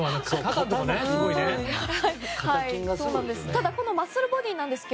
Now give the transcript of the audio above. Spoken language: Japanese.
ただこのマッスルボディーですが